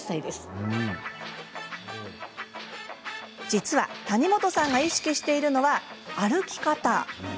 実は谷本さんが意識しているのは歩き方。